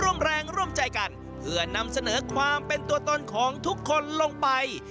ร่วมแรงร่วมใจกันเพื่อนำเสนอความเป็นตัวตนของทุกคนลงไป